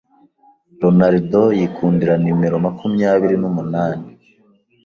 Ronaldo yikundira nimero makumyabiri numunani